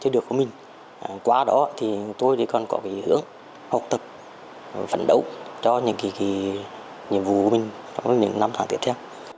chúng tôi còn có ý hưởng học tập và phản đấu cho những nhiệm vụ của mình trong những năm tháng tiếp theo